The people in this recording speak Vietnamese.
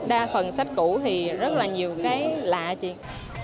đa phần sách cũ thì rất là nhiều cái lạ chị